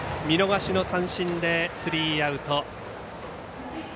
見逃しの三振でスリーアウト。